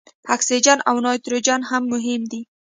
اکسیجن او نایتروجن هم مهم دي.